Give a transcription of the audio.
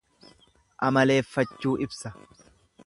Amaleeffachuu ibsa.